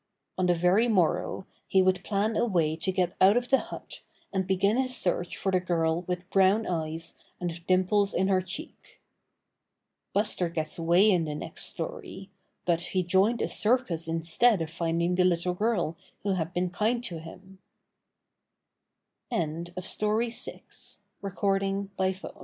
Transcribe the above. On the very morrow he would plan a way to get out of the hut and begin his search for the girl with brown eyes and dimples in her cheek. Buster gets away in the next story, but he joined a circus instead of finding the little girl who had bee